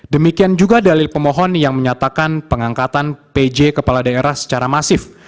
demikian juga dalil pemohon yang menyatakan pengangkatan pj kepala daerah secara masif